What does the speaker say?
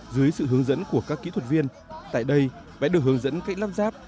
dưới sự hướng dẫn của các kỹ thuật viên tại đây bé được hướng dẫn cách lắp ráp